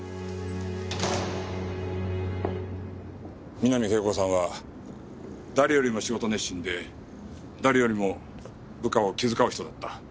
三波圭子さんは誰よりも仕事熱心で誰よりも部下を気遣う人だった。